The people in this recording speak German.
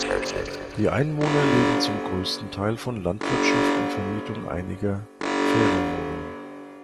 Die Einwohner leben zum größten Teil von Landwirtschaft und Vermietung einiger Ferienwohnungen.